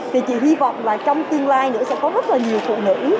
thì chỉ hy vọng trong congregation sẽ có rất là nhiều phụ nữ